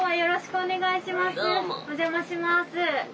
お邪魔します。